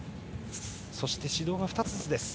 そして指導が２つずつです。